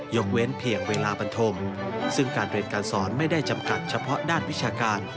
เว้นเพียงเวลาบันทมซึ่งการเรียนการสอนไม่ได้จำกัดเฉพาะด้านวิชาการ